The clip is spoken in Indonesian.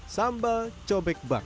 sambal cobek bakar